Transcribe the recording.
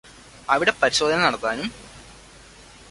അവിടെ പരിശോധന നടത്താനും